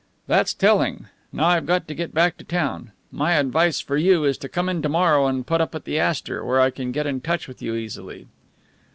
"That's telling. Now I've got to get back to town. My advice for you is to come in to morrow and put up at the Astor, where I can get in touch with you easily."